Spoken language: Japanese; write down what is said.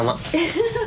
フフフ！